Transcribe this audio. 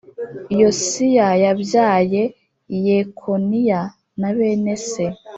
Yosiya yabyaye Yekoniya na bene se,